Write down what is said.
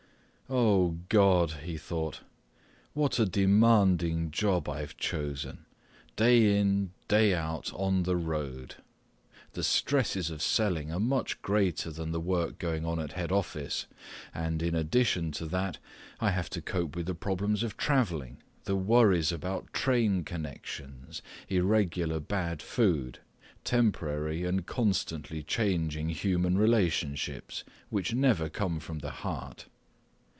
"O God," he thought, "what a demanding job I've chosen! Day in, day out, on the road. The stresses of selling are much greater than the work going on at head office, and, in addition to that, I have to cope with the problems of travelling, the worries about train connections, irregular bad food, temporary and constantly changing human relationships, which never come from the heart.